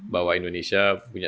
bahwa indonesia punya